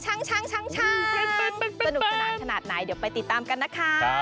สนุกสนานขนาดไหนเดี๋ยวไปติดตามกันนะคะ